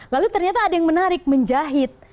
lalu ternyata ada yang menarik menjahit